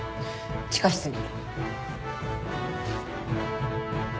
地下室に。